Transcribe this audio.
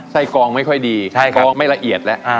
กองไม่ค่อยดีกองไม่ละเอียดแล้ว